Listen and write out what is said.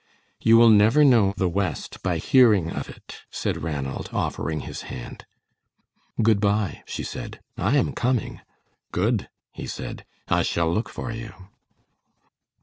"You will never know the West by hearing of it," said Ranald, offering his hand. "Good by," she said, "I am coming." "Good," he said, "I shall look for you."